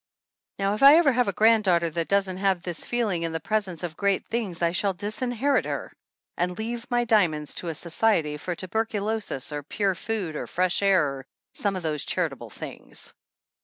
Now, if I ever have a granddaughter that doesn't have this feeling in the presence of great things I shall disinherit her and leave my diamonds to a society for tuberculosis or pure food or fresh air, or some of those charitable things.